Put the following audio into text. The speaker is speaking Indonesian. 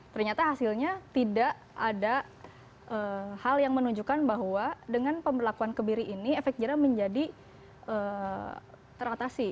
ternyata hasilnya tidak ada hal yang menunjukkan bahwa dengan pemberlakuan kebiri ini efek jerah menjadi teratasi